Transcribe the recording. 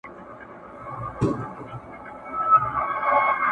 له قلا څخه دباندي یا په ښار کي.!